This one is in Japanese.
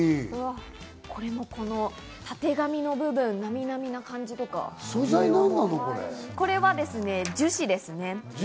これも、このたてがみ部分、なみなみな感じとか、素材は樹脂です。